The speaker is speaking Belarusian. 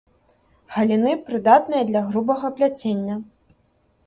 Галіны прыдатныя для грубага пляцення.